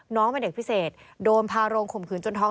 น้องเป็นเด็กพิเศษโดนพาโรงข่มขืนจนท้อง